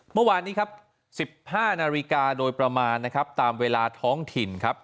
เมื่อวานนี้ครับ๑๕นาฬิกาโดยประมาณนะครับตามเวลาท้องถิ่นครับ